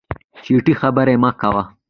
چټي خبري مه کوه !